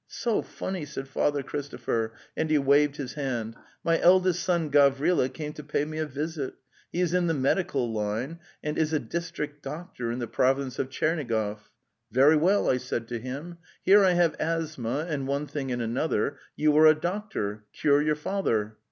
'*So funny!" said Father Christopher, and he waved his hand. '' My eldest son Gavrila came to pay me a visit. He is in the medical line, and is a district doctor in the province of Tchernigov, ... 'Very well ...' I said to him, "here I have asthma and one thing and another. ... You are a doctor; cure your father!